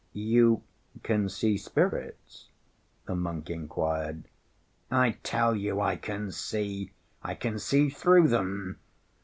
"You—can see spirits?" the monk inquired. "I tell you I can see, I can see through them.